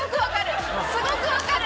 すごく分かる。